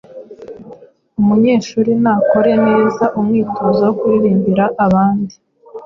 Umunyeshuri nakore neza umwitozo wo kuririmbira abandi.